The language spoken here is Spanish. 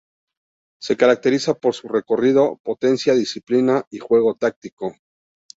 Se caracteriza por su recorrido, potencia, disciplina y juego táctico.